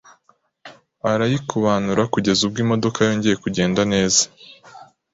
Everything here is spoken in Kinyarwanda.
arayikubanura kugeza ubwo imodoka yongeye kugenda neza.